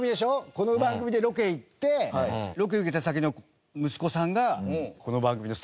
この番組でロケ行ってロケ受けた先の息子さんがこの番組のスタッフに。